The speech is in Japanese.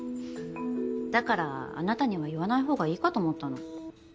だからあなたには言わないほうが良いかと思ったの。